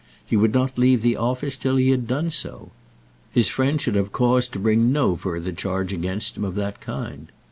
He would not leave the office till he had done so. His friend should have cause to bring no further charge against him of that kind.